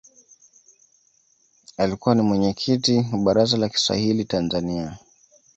alikuwa ni mwenyekiti wa baraza la Kiswahili tanzania